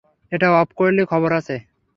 এটা অফ করলে খবর আছে।